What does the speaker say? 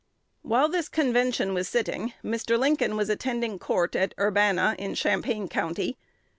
While this convention was sitting, Mr. Lincoln was attending court at Urbana, in Champaign County.